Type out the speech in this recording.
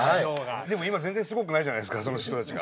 でも今全然すごくないじゃないっすかその人たちが。